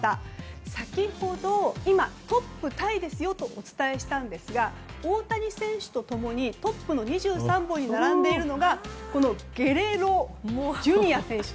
先ほど、トップタイですよとお伝えしたんですが大谷選手と共にトップの２３本に並んでいるのがこのゲレロＪｒ．選手。